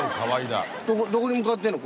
どこに向かってんの？